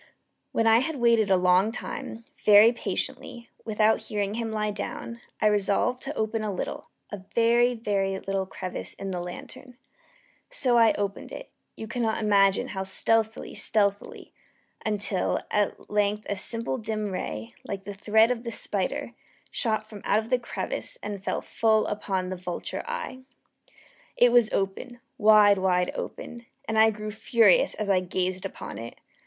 When I had waited a long time, very patiently, without hearing him lie down, I resolved to open a little a very, very little crevice in the lantern. So I opened it you cannot imagine how stealthily, stealthily until, at length a simple dim ray, like the thread of the spider, shot from out the crevice and fell full upon the vulture eye. It was open wide, wide open and I grew furious as I gazed upon it.